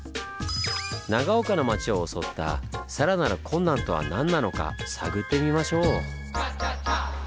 長岡の町を襲ったさらなる困難とは何なのか探ってみましょう！